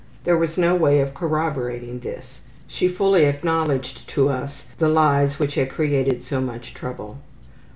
There was no way of corroborating this. She fully acknowledged to us the lies which had created so much trouble.